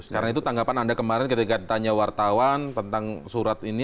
karena itu tanggapan anda kemarin ketika ditanya wartawan tentang surat ini